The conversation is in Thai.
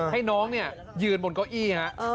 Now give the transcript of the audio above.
ให้น้องเนี่ยยืนบนเก้าอี้ฮะ